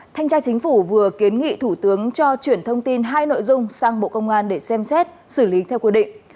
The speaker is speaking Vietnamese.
thanh tra chính phủ vừa kiến nghị thủ tướng cho chuyển thông tin hai nội dung sang bộ công an để xem xét xử lý theo quy định